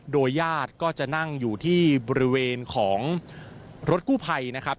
โดยญาติก็จะนั่งอยู่ที่บริเวณของรถกู้ภัยนะครับ